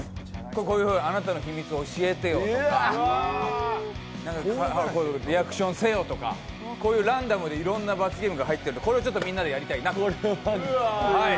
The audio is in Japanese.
これこれ、あなたの秘密を教えてよとか、リアクションせよとか、ランダムでいろんな罰ゲームが入っているのでこれをみんなでやりたいなと。